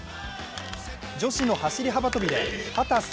女子の走り幅跳びで秦澄